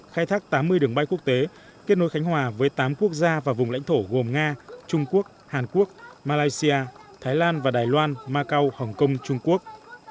khai thác tám mươi đường bay quốc tế kết nối khánh hòa với tám quốc gia và vùng lãnh thổ gồm nga trung quốc hàn quốc malaysia thái lan và đài loan macau hồng kông trung quốc